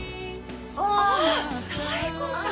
あっ妙子さん。